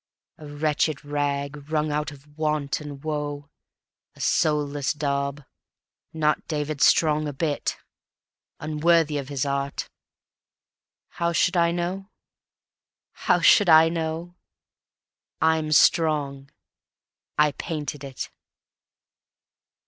A wretched rag, wrung out of want and woe; A soulless daub, not David Strong a bit, Unworthy of his art. ... How should I know? How should I know? I'm Strong I painted it.